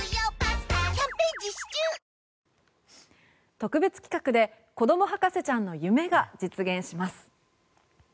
特別企画で子ども博士ちゃんの夢が実現します。